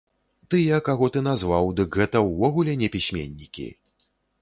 Тыя, каго ты назваў, дык гэта ўвогуле не пісьменнікі.